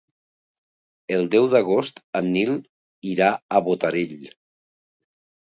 El deu d'agost en Nil irà a Botarell.